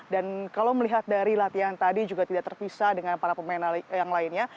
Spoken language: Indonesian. kalau melihat dari latihan tadi juga tidak terpisah dengan para pemain yang lainnya